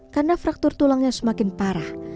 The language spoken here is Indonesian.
karena fraktur tulangnya semakin parah